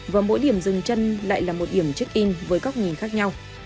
và mỗi điểm dừng chân lại là một điểm check in với góc nhìn khác nhau